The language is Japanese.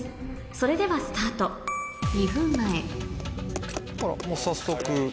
それではスタート２分前もう早速。